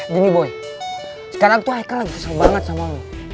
gini boy sekarang tuh aika lagi kesal banget sama lo